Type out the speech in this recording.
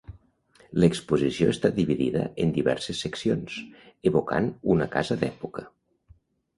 L'exposició està dividida en diverses seccions, evocant una casa d'època.